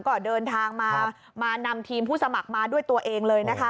ก็เดินทางมามานำทีมผู้สมัครมาด้วยตัวเองเลยนะคะ